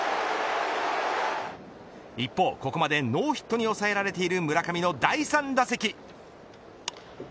一方、ここまでノーヒットに抑えられている村上の第３打席。